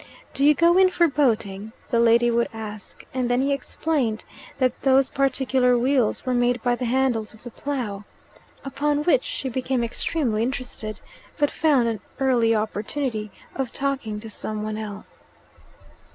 "Do you go in for boating?" the lady would ask; and then he explained that those particular weals are made by the handles of the plough. Upon which she became extremely interested, but found an early opportunity of talking to some one else.